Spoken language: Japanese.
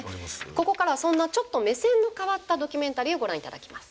ここからはそんなちょっと目線の変わったドキュメンタリーをご覧いただきます。